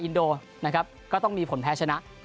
อิโดนีเซียก็ต้องมีผลแพ้ชนะ